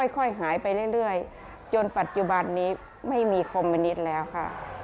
ค่อยหายไปเรื่อยจนปัจจุบันนี้ไม่มีคอมมินิตแล้วค่ะ